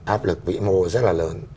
áp lực vĩ mô rất là lớn